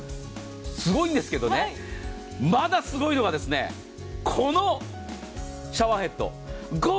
すごいんですけどねまだすごいのはこのシャワーヘッド５０％